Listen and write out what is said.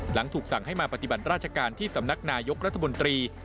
หลังถูกสั่งให้มาปฏิบัติราชการที่สำนักนายกรัฐมนตรี